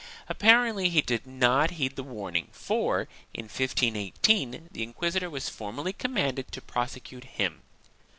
Apparently he did not heed the warning for, in 1518, the inquisitor was formally commanded to prosecute him.